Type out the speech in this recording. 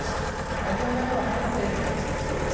太平洋側では晴れの天気が続きそうです。